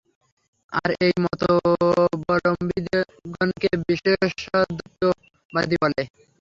আর এই মতাবলম্বিগণকে বিশিষ্টাদ্বৈতবাদী বলে।